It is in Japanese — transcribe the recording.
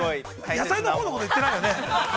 ◆野菜のほうのこと言ってないよね？